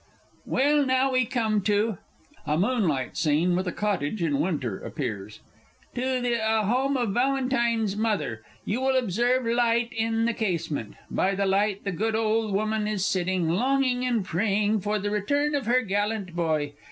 Well, now we come to (a Moonlight Scene, with a Cottage in Winter, appears) to the ah home of Valentine's mother. You will observe a light in the casement. By that light the good old woman is sitting, longing and praying for the return of her gallant boy.